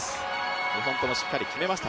２本ともしっかり決めました